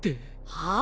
はあ？